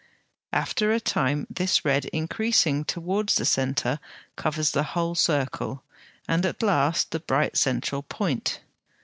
After a time this red, increasing towards the centre, covers the whole circle, and at last the bright central point.